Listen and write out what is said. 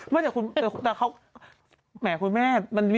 ไม่เป็น